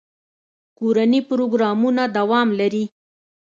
کورني پروګرامونه دوام لري.